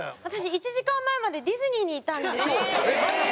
私１時間前までディズニーにいたんですよ。